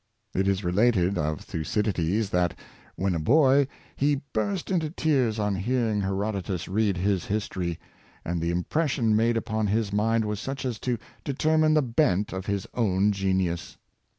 It is related of Thucydides that, when a boy, he burst into tears on hearing Herodotus read his history, and the impression made upon his mind was such as to de termine the bent of his own genius.